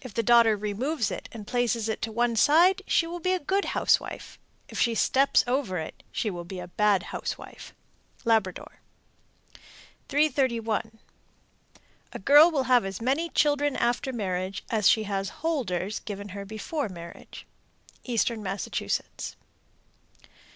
If the daughter removes it and places it on one side, she will be a good housewife; if she steps over it, she will be a bad housewife. Labrador. 331. A girl will have as many children after marriage as she has "holders" given her before marriage. _Eastern Massachusetts.